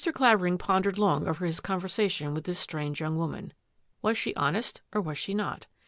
Clavering pondered long over his conversa tion with this strange young woman. Was she honest or was she not?